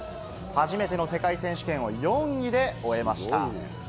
初めての世界選手権を４位で終えました。